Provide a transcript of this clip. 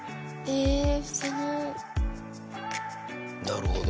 なるほど。